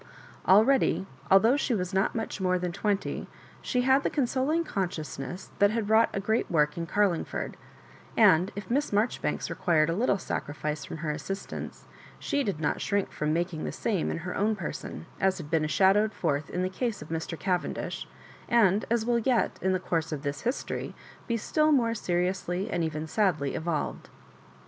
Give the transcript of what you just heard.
Already, although she was not much more than twenty, she had the consoling consciousness that she had wrought a great work in Carlingford ; and if Miss Marjoribanks required a little sacrifice from her assistants, she did not shrink from making tho same in her own person, as has been shadowed forth in the case of Mr. Cavendish, and as will yet, in the course of this history, be still more seriously and even sadly evolved.